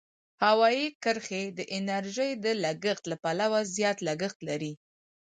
هوایي کرښې د انرژۍ د لګښت له پلوه زیات لګښت لري.